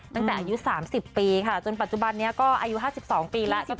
ตั้งแต่อายุ๓๐ปีค่ะจนปัจจุบันนี้ก็อายุ๕๒ปีแล้ว